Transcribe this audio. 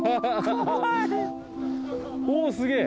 おすげえ。